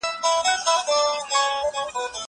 زه به سبا سړو ته خواړه ورکړم!